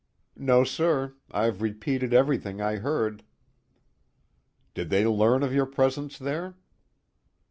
"No, sir. I've repeated everything I heard." "Did they learn of your presence there?"